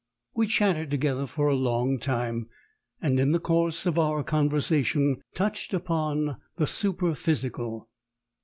We chatted together for a long time, and in the course of our conversation touched upon the superphysical.